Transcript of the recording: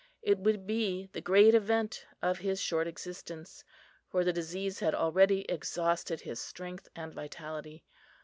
It would be the great event of his short existence, for the disease had already exhausted his strength and vitality.